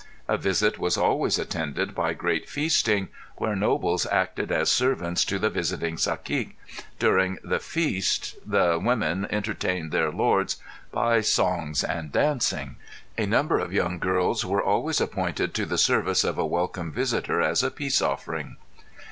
A visit was always attended by great feasting, where nobles acted as servants to the visiting cacique, during the feast the women entertained their lords by songs and dancing; a number of young girls were always appointed to the service of a welcome visitor as a peace offering.